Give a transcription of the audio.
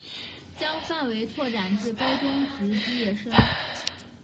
将范围拓展至高中职毕业生